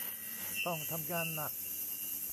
ต้องทำงานหนัก